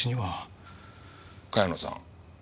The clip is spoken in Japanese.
茅野さん。